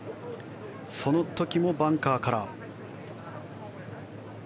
その時もバンカーから。